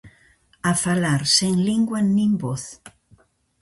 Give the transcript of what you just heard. A falar sen lingua nin voz.